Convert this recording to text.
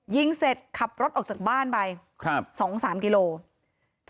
ยิงเสร็จขับรถออกจากบ้านไป๒๓กิโลกรัม